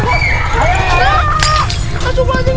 tidak keluar rin